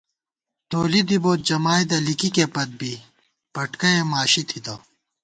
تولی دِبوت جمائیدہ لِکِکےپت بی پٹکَیَہ ماشی تھِتہ